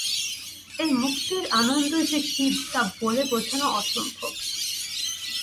এই মুক্তির আনন্দ যে কী তা বলে বোঝানো অসম্ভব।